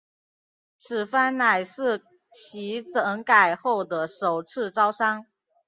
此番乃是其整改后的首次招商。